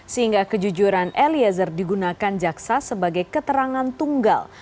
sehingga kejujuran eliezer digunakan jaksa sebagai keterangan tunggal